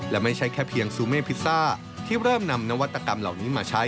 และไม่ใช่แค่เพียงซูเม่พิซซ่าที่เริ่มนำนวัตกรรมเหล่านี้มาใช้